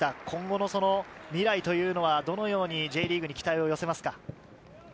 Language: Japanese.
今後の未来というのは、どのようにＪリーグに期待を寄せますか？